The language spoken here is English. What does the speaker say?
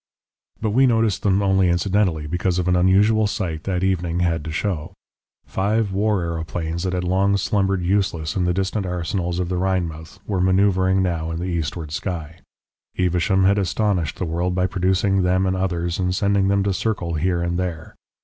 "But we noticed them only incidentally because of an unusual sight that evening had to show. Five war aeroplanes that had long slumbered useless in the distant arsenals of the Rhinemouth were manoeuvring now in the eastward sky. Evesham had astonished the world by producing them and others, and sending them to circle here and there.